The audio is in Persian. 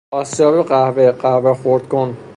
آسیاب قهوه، قهوه خرد کن